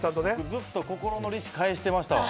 ずっと心の利子返してましたわ。